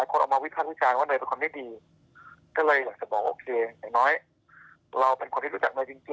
พอมาบอกหน่อยแล้วกันว่าเนยจริงจริงแล้วเป็นคนดีมากนะ